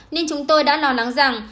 nên chúng tôi đã nói rằng